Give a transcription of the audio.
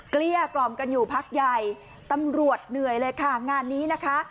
เกลี้ยกล่อมกันอยู่พักใหญ่ตำรวจเหนื่อยเลยค่ะงานนี้นะคะ